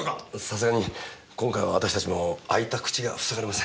さすがに今回は私達も開いた口がふさがりません。